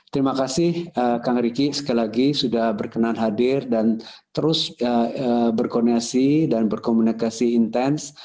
terima kasih kang riki sekali lagi sudah berkenan hadir dan terus berkoordinasi dan berkomunikasi intens